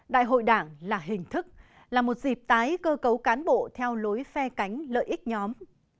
đại hội đảng là hình thức là một dịp tái cơ cấu cán bộ theo lối phe cánh lợi ích nhóm